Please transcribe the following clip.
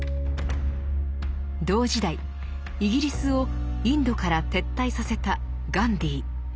同時代イギリスをインドから撤退させたガンディー。